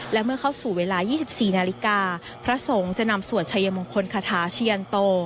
และเมื่อเข้าสู่เวลา๒๔นาฬิกาพระสงฆ์จะนำสวดชัยมงคลคาถาเชียยันโต